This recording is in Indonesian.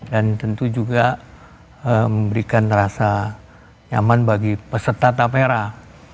dan tentu juga memberikan rasa nyaman bagi peserta tak perah